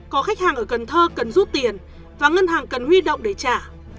có khách hàng ở cần thơ cần rút tiền và ngân hàng cần huy động để trả